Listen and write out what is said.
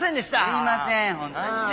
すいませんホントにね。